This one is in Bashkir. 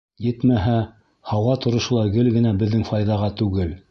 Етмәһә, һауа торошо ла гел генә беҙҙең файҙаға түгел.